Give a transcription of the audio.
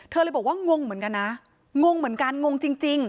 เธอเลยบอกว่างงเหมือนกันนะงงเหมือนกันงงจริง